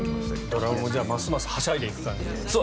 ドラマもますますはしゃいでいく感じで。